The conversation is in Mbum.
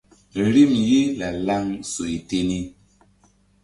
Rim ye la-laŋ soy te ni.